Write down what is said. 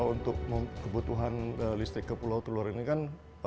untuk kebutuhan listrik ke pulau telur ini kan